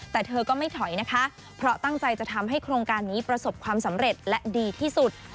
แต่เธอก็ไม่ถอยนะคะเพราะตั้งใจจะทำให้โครงการนี้ประสบความสำเร็จและดีที่สุด